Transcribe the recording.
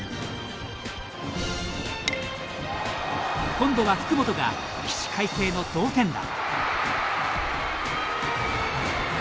今度は福本が起死回生の同点打。